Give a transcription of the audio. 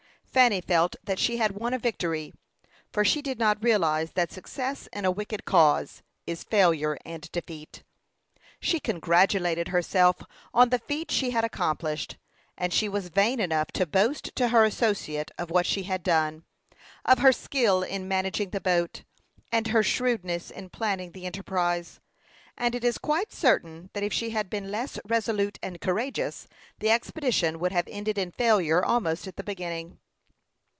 Fanny felt that she had won a victory, for she did not realize that success in a wicked cause is failure and defeat. She congratulated herself on the feat she had accomplished, and she was vain enough to boast to her associate of what she had done; of her skill in managing the boat, and her shrewdness in planning the enterprise; and it is quite certain that if she had been less resolute and courageous, the expedition would have ended in failure almost at the beginning.